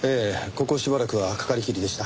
ここしばらくはかかりきりでした。